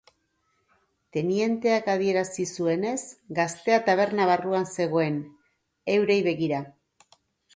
Tenienteak adierazi zuenez, gaztea taberna barruan zegoen, eurei begira.